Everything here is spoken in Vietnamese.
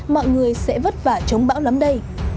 mọi người sẽ vất vả chống bão lắm đây